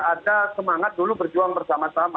ada semangat dulu berjuang bersama sama